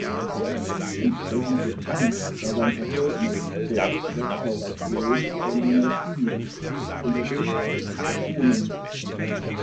Entsprechend gespannt war sein Verhältnis zur Restauration der Monarchie unter den Bourbonen.